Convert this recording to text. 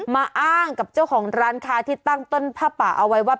มาอ้างกับเจ้าของร้านค้าที่ตั้งต้นผ้าป่าเอาไว้ว่า